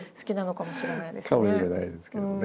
かもしれないですけどね。